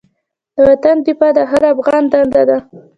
د وطن دفاع د هر افغان دنده ده.